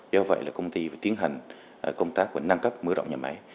do vậy là công ty phải tiến hành công tác và nâng cấp mưa rộng nhà máy